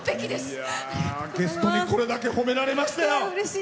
ゲストにこれだけ褒められましたよ。